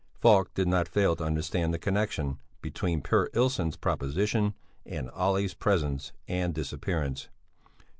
Falk did not fail to understand the connexion between Per Ilsson's proposition and Olle's presence and disappearance.